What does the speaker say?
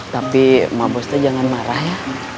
tapi mak bos tuh jangan marah ya